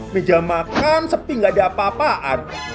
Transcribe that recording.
meja makan sepi gak ada apa apaan